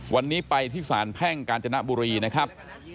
วันนี้ไปที่สารแพ่งกาญจนบุรีนะครับ